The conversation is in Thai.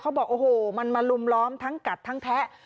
บอกโอ้โหมันมาลุมล้อมทั้งกัดทั้งแทะ